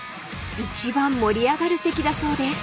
［一番盛り上がる席だそうです］